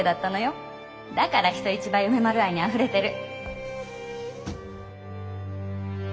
だから人一倍梅丸愛にあふれてる。